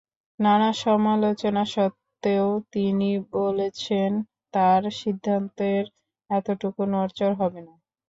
নানা সমালোচনা সত্ত্বেও তিনি বলেছেন, তাঁর সিদ্ধান্তের এতটুকু নড়চড় হবে না।